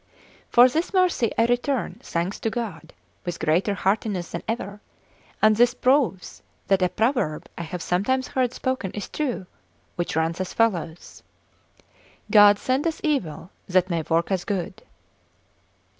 For this mercy I return thanks to God with greater heartiness than ever; and this proves that a proverb I have sometimes heard spoken is true, which runs as follows: 'God send us evil, that may work us good.